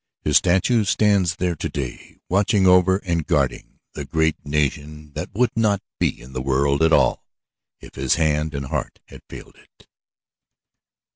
His statue stands there to day, watching over and guarding the great nation that would not be in the world at all if his hand and heart had failed it.